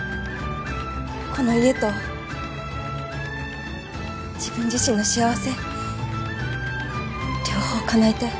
この家と自分自身の幸せ両方かなえたい。